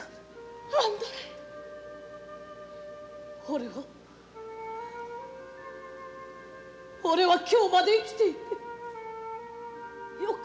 俺は俺は今日まで生きていて良かった。